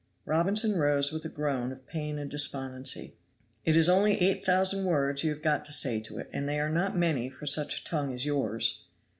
Robinson rose with a groan of pain and despondency. "It is only eight thousand words you have got to say to it, and they are not many for such a tongue as yours."